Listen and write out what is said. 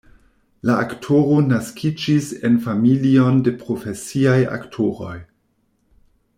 La aktoro naskiĝis en familion de profesiaj aktoroj.